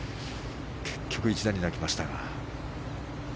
結局１打に泣きましたが。